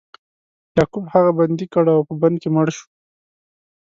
یعقوب هغه بندي کړ او په بند کې مړ شو.